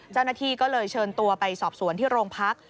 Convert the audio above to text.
เจ้าหน้าที่ก็เลยเชิญตัวไปสอบสวนที่โรงพัก